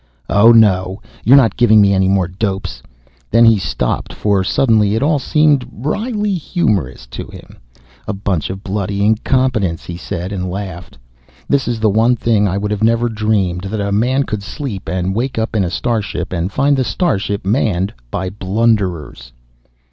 "Oh, no, you're not giving me any more dopes " Then he stopped, for suddenly it all seemed wryly humorous to him. "A bunch of bloody incompetents," he said, and laughed. "This is the one thing I would never have dreamed that a man could sleep, and wake up in a starship, and find the starship manned by blunderers."